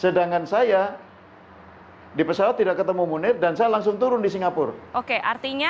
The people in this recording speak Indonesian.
sedangkan saya di pesawat tidak ketemu munir dan saya langsung turun di singapura oke artinya